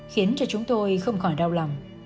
khiến cho chúng tôi không khỏi đau lòng